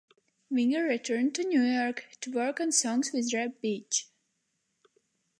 Winger returned to New York to work on songs with Reb Beach.